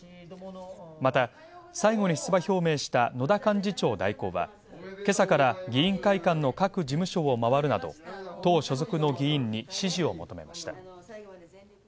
また、最後に出馬表明した野田幹事長代行はけさから議員会館の各事務所回るなど党所属の議員に支持を求めました。